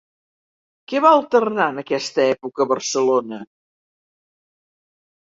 Què va alternar en aquesta època a Barcelona?